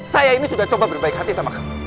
saya ini sudah coba berbaik hati sama kami